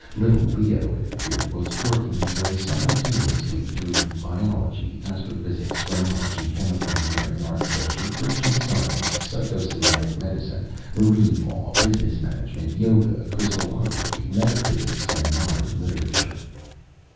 Little Leo, it appeared, was working his way simultaneously through biology, astrophysics, phrenology, chemical engineering, architecture, Christian Science, psychosomatic medicine, marine law; business management, Yoga, crystallography, metaphysics and modern literature.